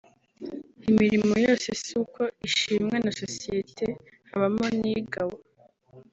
Imirimo yose siko ishimwa na sosiyete habamo n’igawa